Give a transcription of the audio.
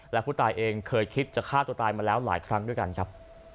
และผู้ตายเองเคยคิดจะฆ่าตัวตายมาแล้วหลายครั้งด้วยกันครับ